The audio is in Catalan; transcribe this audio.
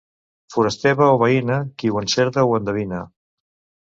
Forastera o veïna, qui ho encerta ho endevina.